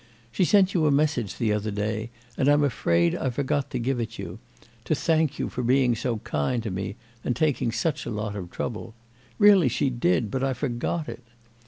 She sent you a message the other day and I'm afraid I forgot to give it you—to thank you for being so kind to me and taking such a lot of trouble. Really she did, but I forgot it.